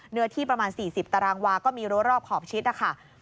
เนื้อที่ประมาณ๔๐ตารางวาก็มีรั้วรอบขอบชิดนะคะ